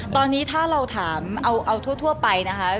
ตอนนี้ถ้าเราถามเอาทั่วไปนะคะ